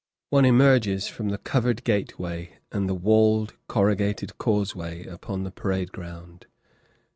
One emerges from the covered gateway and the walled corrugated causeway, upon the parade ground.